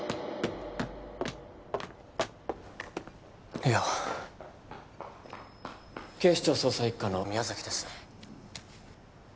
梨央警視庁捜査一課の宮崎です